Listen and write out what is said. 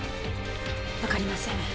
わかりません。